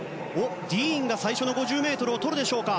ディーンが最初の５０ｍをとるでしょうか。